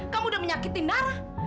kamu udah menyakiti nara